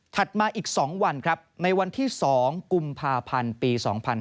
มาอีก๒วันครับในวันที่๒กุมภาพันธ์ปี๒๕๕๙